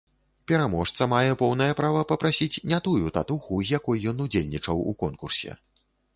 Пераможца мае поўнае права папрасіць не тую татуху, з якой ён удзельнічаў у конкурсе.